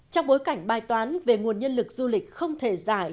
trong bối cảnh bài toán về nguồn nhân lực du lịch không thể giải